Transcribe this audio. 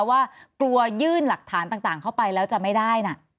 ว่ากลัวยื่นหลักฐานต่างเข้าไปแล้วจะไม่ได้นะ